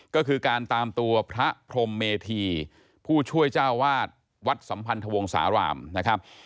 ก็คือการตามตัวพระพรมเมธีผู้ช่วยเจ้าวาดวัดสัมพันธวงศาลามนะครับ